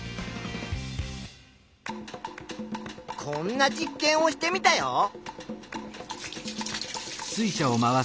こんな実験をしてみたよ。